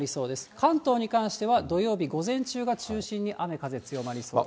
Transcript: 関東に関しては、土曜日午前中を中心に雨、風強まりそうです。